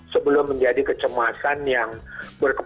sebelum menjadi kecemasan yang berkembang